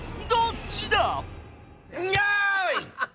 よい！